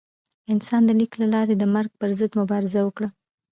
انسان د لیک له لارې د مرګ پر ضد مبارزه وکړه.